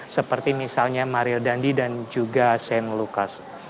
seperti misalnya mario dandi dan juga shane lucas